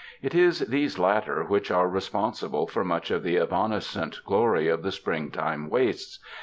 It is these latter which are responsible for much of the evanescent glory of the springtime wastes.